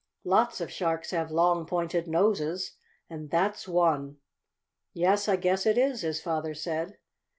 Lots of sharks have long, pointed noses, and that's one!" "Yes, I guess it is," his father said.